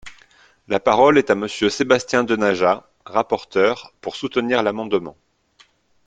La parole est à Monsieur Sébastien Denaja, rapporteur, pour soutenir l’amendement.